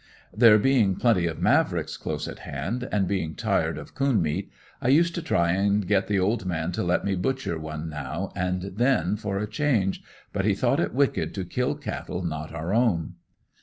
There being plenty "Mavricks" close at hand, and being tired of coon meat, I used to try and get the old man to let me butcher one now and then for a change, but he thought it wicked to kill cattle not our own.